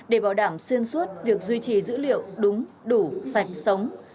để bảo đảm xuyên suốt việc duy trì dữ liệu đúng đủ sạch sống